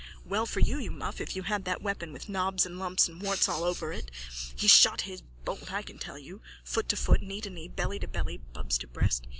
Well for you, you muff, if you had that weapon with knobs and lumps and warts all over it. He shot his bolt, I can tell you! Foot to foot, knee to knee, belly to belly, bubs to breast!